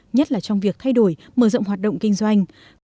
nhất là trong việc thay đổi mở rộng hoạt động kinh doanh